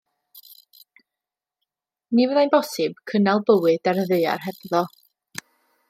Ni fyddai'n bosib cynnal bywyd ar y ddaear hebddo.